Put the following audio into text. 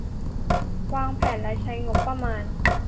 วางแผนและใช้งบประมาณ